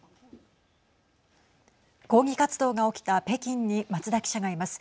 抗議活動が起きた北京に松田記者がいます。